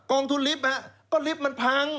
องทุนลิฟต์ก็ลิฟต์มันพัง